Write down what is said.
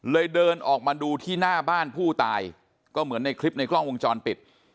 เดินออกมาดูที่หน้าบ้านผู้ตายก็เหมือนในคลิปในกล้องวงจรปิด